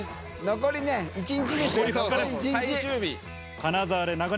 残りね、１日。